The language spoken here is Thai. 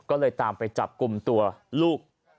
ก็เลยตามไปจับกลุ่มตัวลูก